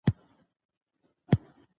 نحوه د کلیمو اړیکه جوړوي.